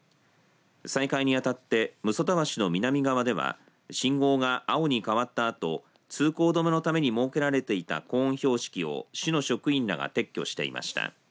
再開にあたって六十谷橋の南側では信号が青に変わったあと通行止めのために設けられていたコーン標識を市の職員らが撤去していました。